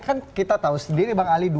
kan kita tahu sendiri bang ali